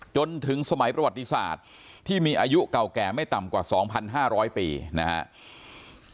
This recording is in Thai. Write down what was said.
จนถึงสมัยประวัติศาสตร์ที่มีอายุเก่าแก่ไม่ต่ำกว่า๒๕๐๐ปีนะครับ